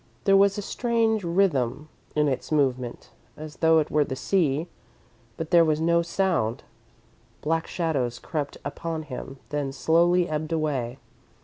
There was a strange rhythm in its movement, as though it were the sea, but there was no sound. Black shadows crept upon him, then slowly ebbed away.